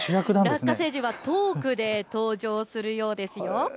ラッカ星人はトークで登場するようですよ。